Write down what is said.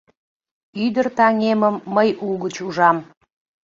Ӱдыр таҥемым мый угыч ужам.